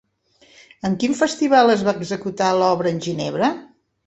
En quin festival es va executar l'obra en Ginebra?